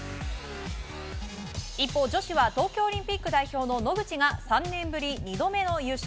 一方、女子は東京オリンピック代表の野口が３年ぶり２度目の優勝。